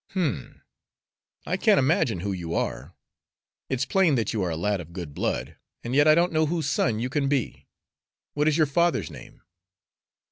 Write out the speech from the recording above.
"Humph! I can't imagine who you are. It's plain that you are a lad of good blood, and yet I don't know whose son you can be. What is your father's name?"